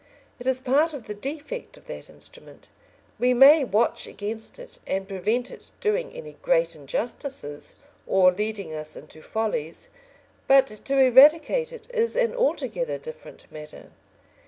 It is part of the defect of that instrument. We may watch against it and prevent it doing any great injustices, or leading us into follies, but to eradicate it is an altogether different matter.